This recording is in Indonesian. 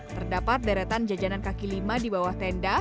terdapat deretan jajanan kaki lima di bawah tenda